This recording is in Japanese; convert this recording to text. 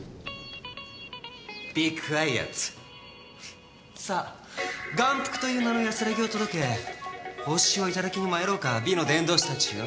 Ｂｅｑｕｉｅｔ．さあ眼福という名の安らぎを届け報酬を頂きに参ろうか美の伝道師たちよ。